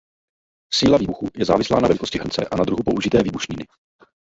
Síla výbuchu je závislá na velikosti hrnce a na druhu použité výbušniny.